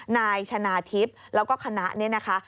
นายชนะทิพย์แล้วก็คณะนี่นะคะ